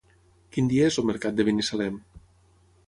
Quin dia és el mercat de Binissalem?